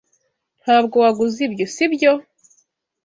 Ntabwo waguze ibyo, sibyo?